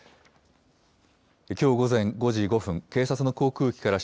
きょう午前５時５分、警察の航空機から、